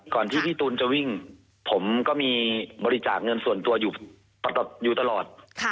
ที่พี่ตูนจะวิ่งผมก็มีบริจาคเงินส่วนตัวอยู่ตลอด